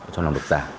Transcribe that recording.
trong lòng đọc giả